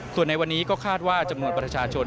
ส่วนในวันนี้ก็คาดว่าจำนวนประชาชน